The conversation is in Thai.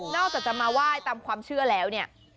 นอกจากจะมาว่ายตามความเชื่อแล้ว